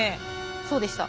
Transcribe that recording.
そうでした。